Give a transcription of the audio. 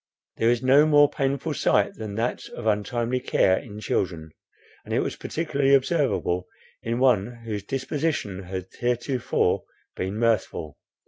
There is no more painful sight than that of untimely care in children, and it was particularly observable in one whose disposition had heretofore been mirthful.